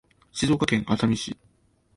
静岡県熱海市